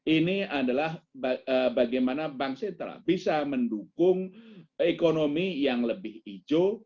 ini adalah bagaimana bank sentral bisa mendukung ekonomi yang lebih hijau